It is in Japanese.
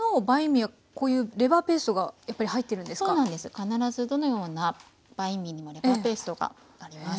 必ずどのようなバインミーにもレバーペーストがあります。